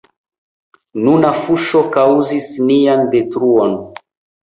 Nuna fuŝo kaŭzus nian detruon.